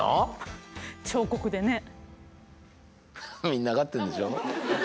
みんな分かってるんでしょ。